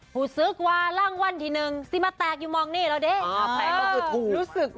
หูซึกว่ารางวัลที่๑ซิมาแตกอยู่มองนี่แล้วเด้